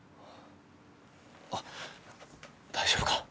あっ大丈夫か？